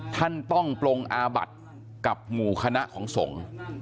ท่านต้องปลงอาบัติกับหมู่คณะของสงฆ์